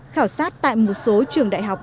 khảo sát tại một số trường đại học